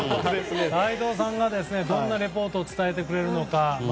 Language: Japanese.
斎藤さんが、どんなリポートを伝えてくれるのか。